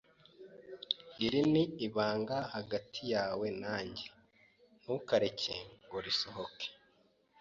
Iri ni ibanga hagati yawe nanjye, ntukareke ngo risohoke.